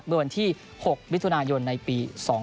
เมื่อวันที่๖มิถุนายนในปี๒๕๖